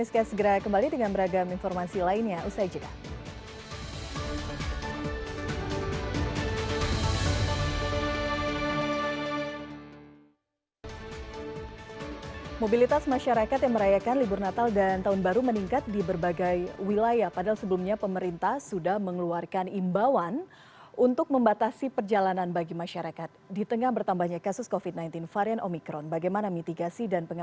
cnn indonesia newscast segera kembali dengan beragam informasi lainnya